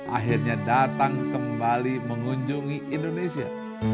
akhirnya datang kembali mengunjungi indonesia